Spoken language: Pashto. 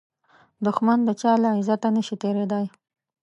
دښمن د چا له عزته نشي تېریدای